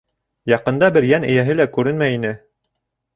Яҡында бер йән эйәһе лә күренмәй ине.